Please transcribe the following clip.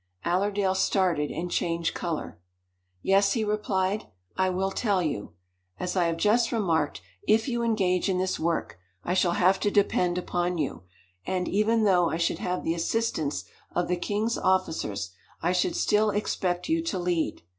Allerdale started and changed color. "Yes," he replied, "I will tell you. As I have just remarked, if you engage in this work, I shall have to depend upon you; and, even though I should have the assistance of the king's officers, I should still expect you to lead.